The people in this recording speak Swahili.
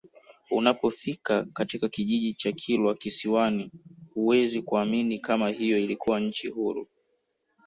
Unapofika katika kijiji cha Kilwa Kisiwani huwezi kuamini kama hiyo ilikuwa nchi huru